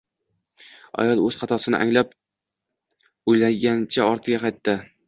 Ayol oʻz xatosini anglab, uyalgancha ortiga qaytdi.